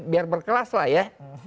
biar berkelas lah ya